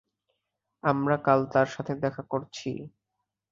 আমরা কাল তার সাথে দেখা করছি।